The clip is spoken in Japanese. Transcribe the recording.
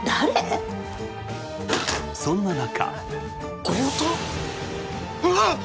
そんな中。